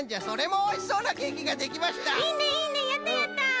それもおいしそうなケーキができました！